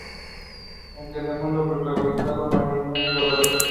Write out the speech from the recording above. En Telemundo protagonizó Marielena y Guadalupe.